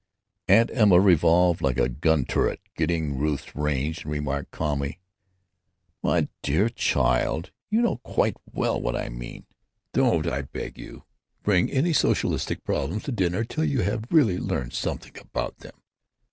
Aunt Emma revolved like a gun turret getting Ruth's range, and remarked, calmly: "My dear child, you know quite well what I mean. Don't, I beg of you, bring any socialistic problems to dinner till you have really learned something about them....